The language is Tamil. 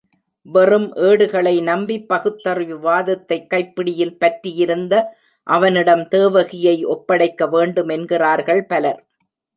வெறும் ஏடுகளை நம்பி பகுத்தறிவு வாதத்தை கைப்பிடியில் பற்றியிருந்த அவனிடம் தேவகியை ஒப்படைக்க வேண்டுமென்கிறார்கள் பலர்.